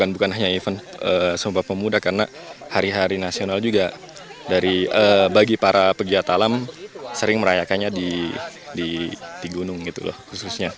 bukan hanya event sumpah pemuda karena hari hari nasional juga bagi para pegiat alam sering merayakannya di gunung gitu loh khususnya